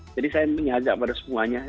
jadi saya mengajak pada semuanya